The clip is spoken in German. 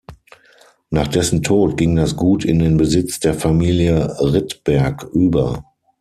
Nach dessen Tod ging das Gut in den Besitz der Familie Rittberg über.